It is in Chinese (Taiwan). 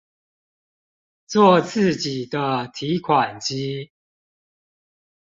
做自己的提款機